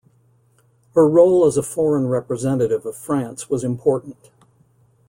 Her role as a foreign representative of France was important.